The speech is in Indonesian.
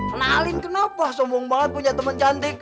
kenalin kenapa sombong banget punya teman cantik